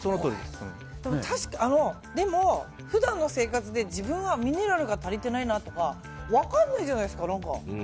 でも、普段の生活で自分はミネラルが足りてないなとか分からないじゃないですか。